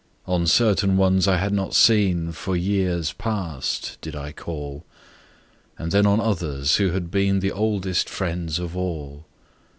On certain ones I had not seen For years past did I call, And then on others who had been The oldest friends of all.